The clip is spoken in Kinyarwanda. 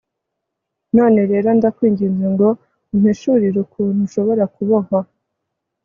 none rero, ndakwinginze ngo umpishurire ukuntu ushobora kubohwa